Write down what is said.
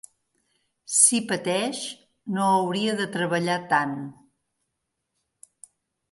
Si pateix, no hauria de treballar tant.